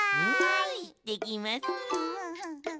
いってきます。